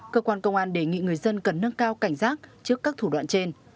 cơ quan công an đề nghị người dân cần nâng cao cảnh giác trước các thủ đoạn trên